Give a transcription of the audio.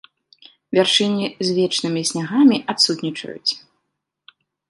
Вяршыні з вечнымі снягамі адсутнічаюць.